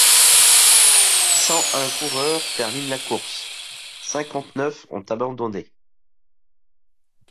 Cent-un coureurs terminent la course, cinquante-neuf ont abandonné.